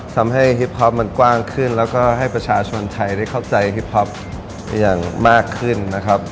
ทำให้ฮิปพอปมันกว้างขึ้นแล้วก็ให้ประชาชนไทยได้เข้าใจฮิปท็อปอย่างมากขึ้นนะครับ